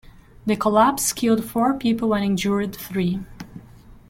The collapse killed four people and injured three.